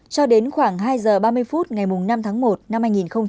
cho đến khoảng hai h ba mươi phút ngày năm tháng một năm hai nghìn một mươi năm